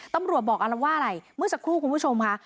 ตำรวจบอกอะไรว่าอะไรเมื่อสักครู่คุณผู้ชมค่ะ